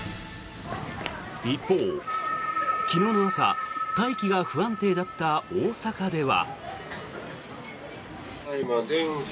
一方、昨日の朝大気が不安定だった大阪では。